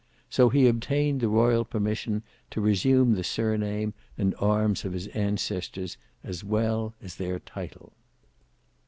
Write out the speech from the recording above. So he obtained the royal permission to resume the surname and arms of his ancestors, as well as their title.